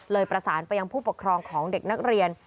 ประสานไปยังผู้ปกครองของเด็กนักเรียน